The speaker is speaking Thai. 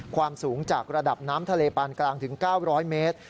ความสูงจากระดับน้ำทะเลปานกลางถึง๙๐๐เมตร